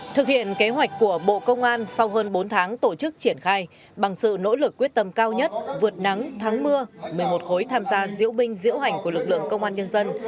thực hiện kế hoạch của bộ công an sau hơn bốn tháng tổ chức triển khai bằng sự nỗ lực quyết tâm cao nhất vượt nắng thắng mưa một mươi một khối tham gia diễu binh diễu hành của lực lượng công an nhân dân